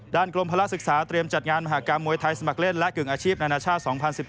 กรมภาระศึกษาเตรียมจัดงานมหากรรมมวยไทยสมัครเล่นและกึ่งอาชีพนานาชาติ๒๐๑๘